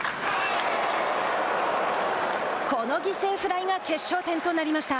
この犠牲フライが決勝点となりました。